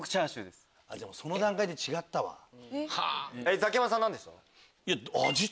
ザキヤマさん何でした？